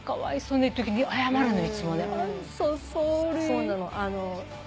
そうなの。